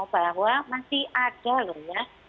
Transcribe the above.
bahwa masih ada loh ya